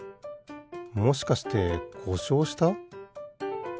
もしかしてこしょうした？